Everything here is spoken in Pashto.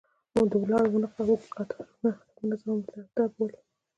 د ولاړو ونو اوږد قطارونه ښه منظم او مرتب ول.